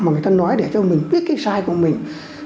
mà người ta nói để cho mình biết cái sai của mình